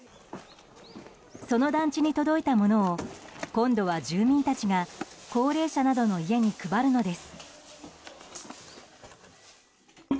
その団地に届いたものを今度は住民たちが高齢者などに家に配るのです。